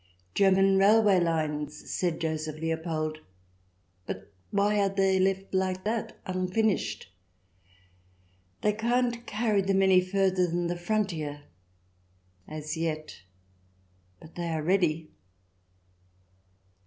'• German railway lines," said Joseph Leopold. CH. xxii] ENVOI 333 " But why are they left like that — unfinished ?" "They can't carry them any farther than the frontier — as yet. But they are ready."